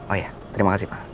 oh ya terima kasih pak